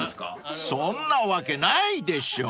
［そんなわけないでしょ］